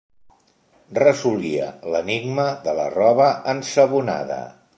Resolia l'enigma de la roba ensabonada.